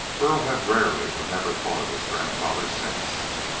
Burl had rarely or never thought of his grandfather since.